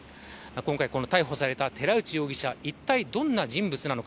今回、この逮捕された寺内容疑者いったいどんな人物なのか。